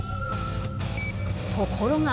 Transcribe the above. ところが。